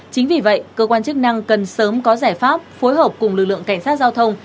chính vì vậy cơ quan chức năng cần sớm có giải pháp phối hợp cùng lực lượng cảnh sát giao thông